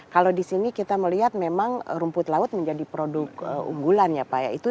kalau disini kita melihat memang rumput laut menjadi produk unggulan ya pak